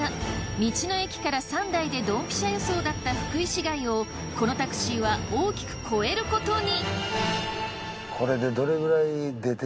道の駅から３台でドンピシャ予想だった福井市街をこのタクシーは大きく超えることに。